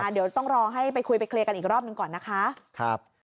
เดี๋ยวต้องรอให้ไปคุยไปเคลียร์กันอีกรอบหนึ่งก่อนนะคะ